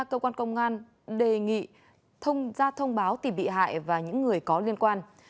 cơ quan công an đề nghị ra thông báo tìm bị hại và những người có liên quan